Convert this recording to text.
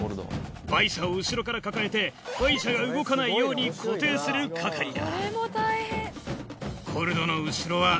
バイシャを後ろから抱えてバイシャが動かないように固定する係だ。